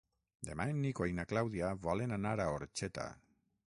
Demà en Nico i na Clàudia volen anar a Orxeta.